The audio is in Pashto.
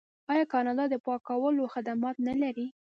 آیا کاناډا د پاکولو خدمات نلري؟